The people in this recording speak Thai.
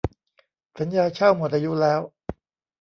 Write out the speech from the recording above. สัญญาเช่าหมดอายุแล้ว